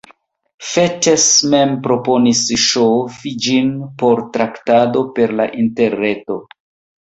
Fettes mem proponis ŝovi ĝin por traktado per la interreto.